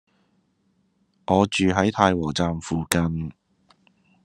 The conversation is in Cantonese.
我住喺太和站附近